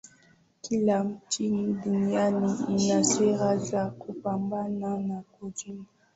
kila nchi duniani ina sera za kupambana na ukimwi